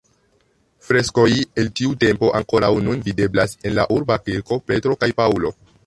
Freskoj el tiu tempo ankoraŭ nun videblas en la urba kirko Petro kaj Paŭlo.